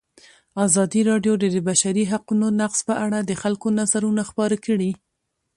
ازادي راډیو د د بشري حقونو نقض په اړه د خلکو نظرونه خپاره کړي.